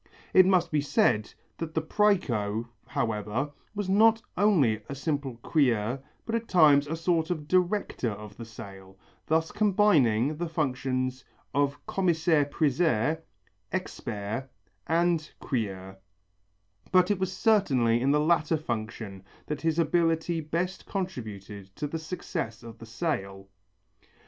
It must be said that the præco, however, was not only a simple crieur but at times a sort of director of the sale, thus combining the functions of commissaire priseur, expert and crieur, but it was certainly in the latter function that his ability best contributed to the success of the sale.